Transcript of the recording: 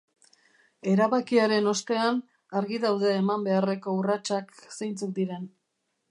Erabakiaren ostean, argi daude eman beharreko urratsak zeintzuk diren.